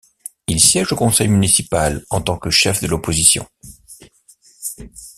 Il siège au conseil municipal en tant que chef de l'opposition.